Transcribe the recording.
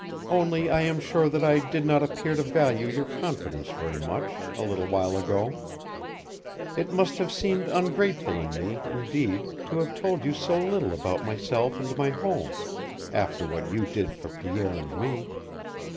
Only I am sure that I did not appear to value your confidence very much a little while ago. It must have seemed ungrateful in me, indeed, to have told you so little about myself and my home, after what you did for Pierre and me.